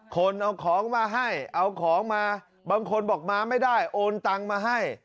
คนเอาของมาให้เอาของมาบางคนบอกมาไม่ได้โอนตังมาให้